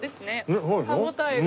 歯応えが。